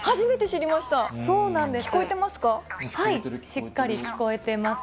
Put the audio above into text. しっかり聞こえてます。